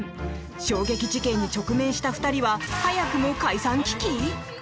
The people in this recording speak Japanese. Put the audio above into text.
衝撃事件に直面した２人は早くも解散危機？